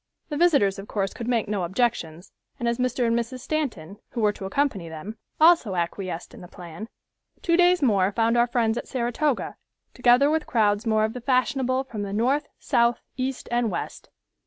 The visitors of course could make no objections, and as Mr. and Mrs. Stanton, who were to accompany them, also acquiesced in the plan, two days more found our friends at Saratoga, together with crowds more of the fashionable from the north, south, east and west.